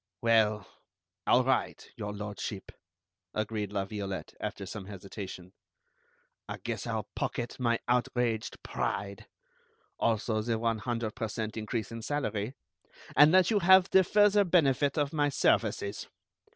"Well, all right, Your Lordship," agreed La Violette, after some hesitation, "I guess I'll pocket my outraged pride, also the one hundred per cent increase in salary, and let you have the further benefit of my services.